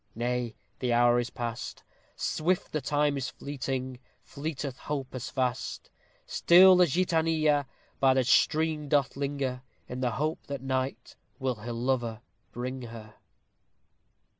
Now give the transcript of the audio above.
Nay, the hour is past; Swift the time is fleeting! Fleeteth hope as fast. Still the Gitanilla By the stream doth linger, In the hope that night Will her lover bring her.